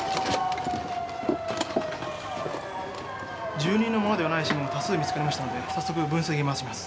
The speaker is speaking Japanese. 住人のものではない指紋が多数見つかりましたので早速分析に回します。